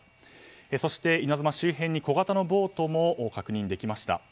そして「いなづま」周辺に小型のボートも確認できました。